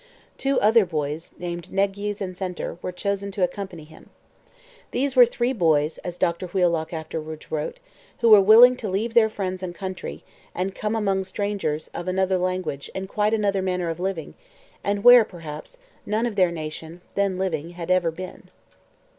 Two other boys, named Negyes and Center, were chosen to accompany him. These were 'three boys,' as Dr Wheelock afterwards wrote, 'who were willing to leave their friends and country, and come among strangers of another language and quite another manner of living, and where, perhaps, none of their nation, then living, had ever been.'